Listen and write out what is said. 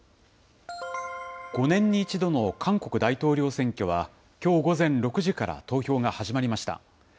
５年に１度の韓国大統領選挙は、きょう午前６時から投票が始まりました。